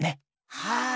はい。